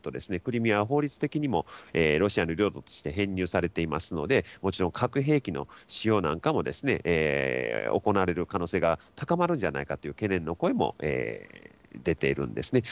ロシアにとって見ると、クリミアは法律的にもロシアの領土として編入されていますので、もちろん核兵器の使用なんかも行われる可能性が高まるんじゃないかという懸念の声も出ているんですね。